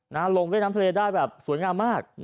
ลงเล่นน้ำทะเลได้แบบสวยงามมาก